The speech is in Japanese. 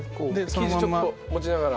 生地ちょっと持ちながら。